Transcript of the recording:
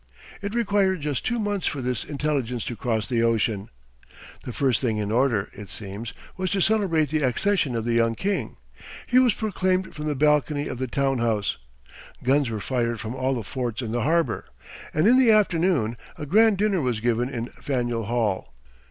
It required just two months for this intelligence to cross the ocean. The first thing in order, it seems, was to celebrate the accession of the young king. He was proclaimed from the balcony of the town house; guns were fired from all the forts in the harbor; and in the afternoon a grand dinner was given in Faneuil Hall.